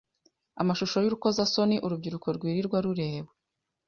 amashusho y’urukozasoni urubyiruko rwirirwa rureba